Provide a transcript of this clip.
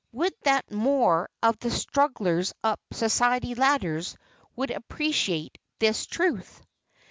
Would that more of the strugglers up Society's ladders would appreciate this truth!